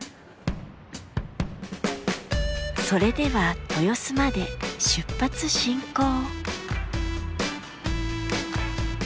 それでは豊洲まで出発進行。